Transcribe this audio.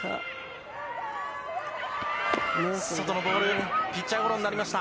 外のボール、ピッチャーゴロになりました。